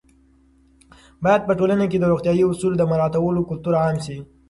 باید په ټولنه کې د روغتیايي اصولو د مراعاتولو کلتور عام شي.